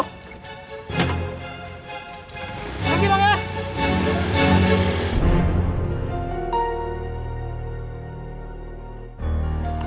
makasih bang ya